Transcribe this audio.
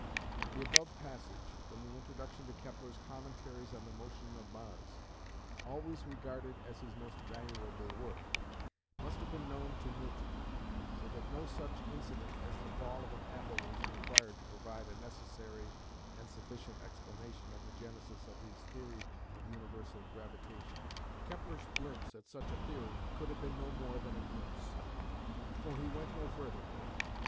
The above passage from the Introduction to Kepler's "Commentaries on the Motion of Mars," always regarded as his most valuable work, must have been known to Newton, so that no such incident as the fall of an apple was required to provide a necessary and sufficient explanation of the genesis of his Theory of Universal Gravitation. Kepler's glimpse at such a theory could have been no more than a glimpse, for he went no further with it.